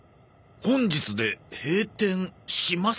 「本日で閉店します」？